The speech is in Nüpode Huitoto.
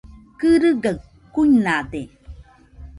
Kɨrɨgaɨ kuinade.